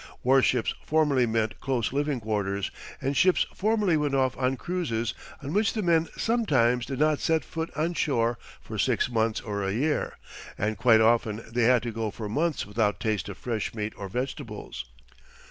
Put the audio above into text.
War ships formerly meant close living quarters; and ships formerly went off on cruises on which the men sometimes did not set foot on shore for six months or a year, and quite often they had to go for months without taste of fresh meat or vegetables.